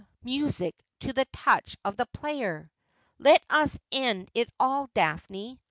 347 music to the touch of the player ? Let us end it all, Daphne.